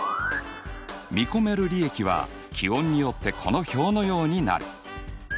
見込める利益は気温によってこの表のようになる。